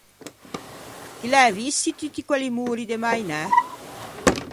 Ti l’æ visti tutti quelli mori de mainæ?